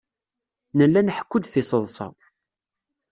Nella nḥekku-d tiseḍsa.